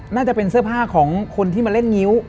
น่าจะเป็นเสื้อผ้าของคนที่มาเล่นงิ้ว